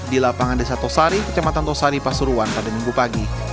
di lapangan desa tosari kecamatan tosari pasuruan pada minggu pagi